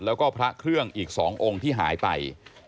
แล้วก็พระเครื่องอีก๒องค์ที่หายไป